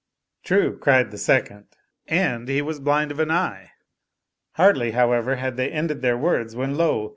"True," cried the second, " and he was blind of an eye." Hardly, how ever, had they ended their words when lo